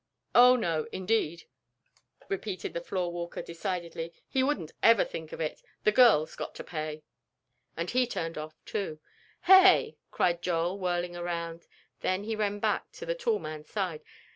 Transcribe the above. "Oh, no, indeed," repeated the floor walker, decidedly, "he wouldn't ever think of it; the girl's got to pay," and he turned off, too. "Hey!" cried Joel, whirling around. Then he ran back to the tall man's side.